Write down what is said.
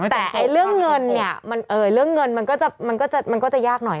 แต่เรื่องเงินเนี่ยเรื่องเงินมันก็จะยากหน่อย